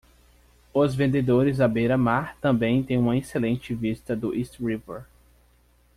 Os vendedores à beira-mar também têm uma excelente vista do East River.